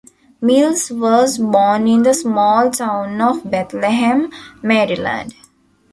Mills was born in the small town of Bethlehem, Maryland.